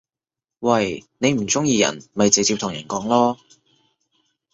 喂！你唔中意人咪直接同人講囉